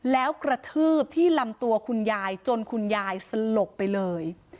แล้วกระทืบที่ลำตัวคุณยายจนคุณยายสลบไปเลย